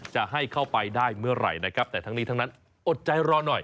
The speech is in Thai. จะให้เข้าไปได้เมื่อไหร่นะครับแต่ทั้งนี้ทั้งนั้นอดใจรอหน่อย